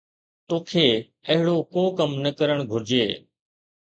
توکي اهڙو ڪو ڪم نه ڪرڻ گهرجي